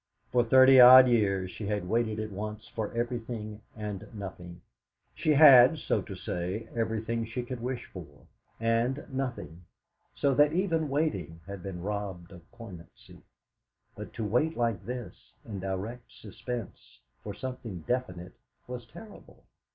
For thirty odd years she had waited at once for everything and nothing; she had, so to say, everything she could wish for, and nothing, so that even waiting had been robbed of poignancy; but to wait like this, in direct suspense, for something definite was terrible.